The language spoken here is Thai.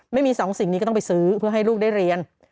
ไม่มีสองสิ่งนี้ก็ต้องไปซื้อเพื่อให้ลูกได้เรียน